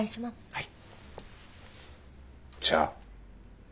はい。